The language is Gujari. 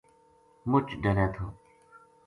مچ ڈرے تھو